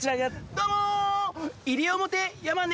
どうも。